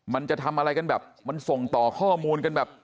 มันจะทำอะไรกันแบบมันส่งต่อข้อมูลกันแบบ